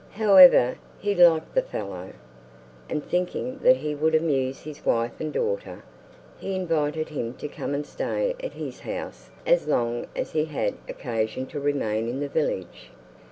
However, he liked the fellow; and thinking that he would amuse his wife and daughter, he invited him to come and stay at his house as long as he had occasion to remain in the village.